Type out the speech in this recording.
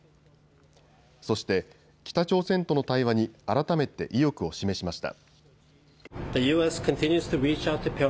そして北朝鮮との対話に改めて意欲を示しました。